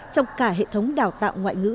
trong cả hệ thống đào tạo ngoại ngữ